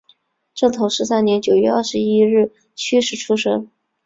正统十三年九月二十一日戌时出生。